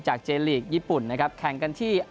เจนลีกญี่ปุ่นนะครับแข่งกันที่